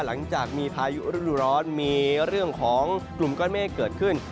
หลังจากมีพายุฤดูร้อนมีเรื่องของกลุ่มก้อนเมฆเกิดขึ้น